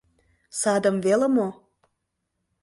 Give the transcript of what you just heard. Садым веле мо...